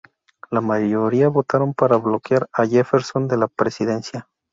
La mayoría votaron para bloquear a Jefferson de la presidencia.